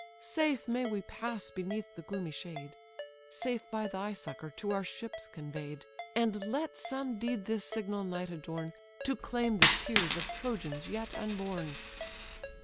Safe may we pass beneath the gloomy shade, Safe by thy succour to our ships convey'd, And let some deed this signal night adorn, To claim the tears of Trojans yet unborn."